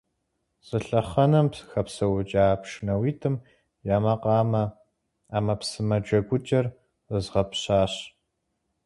Зы лъэхъэнэм хэпсэукӀа пшынауитӀым я макъамэ Ӏэмэпсымэ джэгукӀэр зэзгъэпщащ.